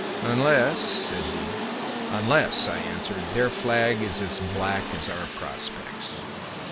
"Unless " said he. "Unless," I answered, "their flag is as black as our prospects."